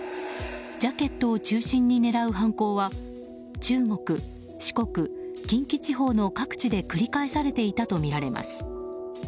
ジャケットを中心に狙う犯行は中国、四国、近畿地方の各地で繰り返されていたとみられています。